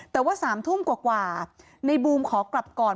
แต่ว่า๓ทุ่มกว่าในบูมขอกลับก่อน